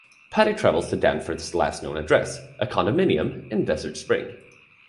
Patty travels to Danforth's last-known address, a condominium in Desert Spring.